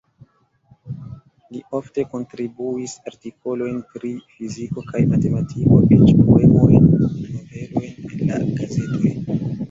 Li ofte kontribuis artikolojn pri fiziko kaj matematiko, eĉ poemojn, novelojn en la gazetoj.